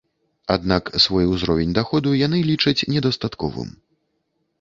Аднак свой узровень даходу яны лічаць недастатковым.